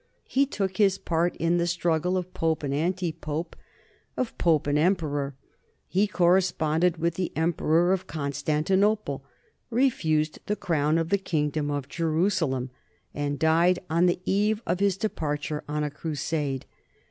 He took his part in the struggle of Pope and anti Pope, of Pope and Emperor; he corresponded with the emperor of Constantinople, refused the crown of the kingdom of Jerusalem, and died on the eve of his de parture on a crusade.